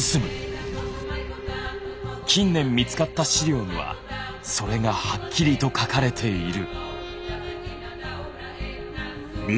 近年見つかった資料にはそれがはっきりと書かれている。